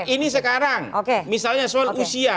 ini sekarang misalnya soal usia